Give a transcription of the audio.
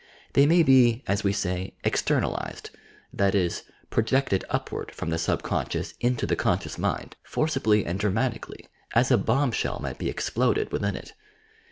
They may be, as we say "externalized;" that is, projected upward from the subconscious into the conscious mind, forcibly and dramatically, as a bomb shell might be exploded within it.